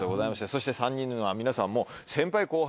そして３人は皆さんもう。